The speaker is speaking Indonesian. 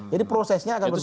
jadi prosesnya akan berbeda